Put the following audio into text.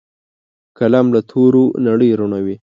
قلم له تورو نړۍ رڼوي